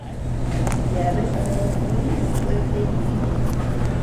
Yeabean bea kuïñu kuete ñeʼë.